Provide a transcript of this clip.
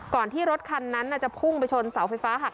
ที่รถคันนั้นจะพุ่งไปชนเสาไฟฟ้าหัก